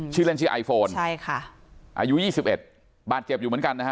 ชื่อเล่นชื่อไอโฟนใช่ค่ะอายุ๒๑บาดเจ็บอยู่เหมือนกันนะฮะ